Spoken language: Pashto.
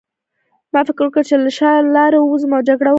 ما فکر وکړ چې له شا لارې ووځم او جګړه وکړم